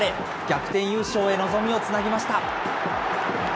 逆転優勝へ、望みをつなぎました。